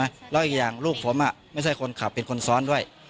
แล้วอีกอย่างลูกผมไม่ใช่คนขับเป็นคนซ้อนด้วย